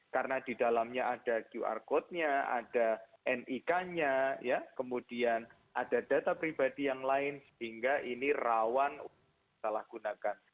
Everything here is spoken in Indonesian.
karena di dalamnya ada qr code nya ada nik nya kemudian ada data pribadi yang lain sehingga ini rawan salah gunakan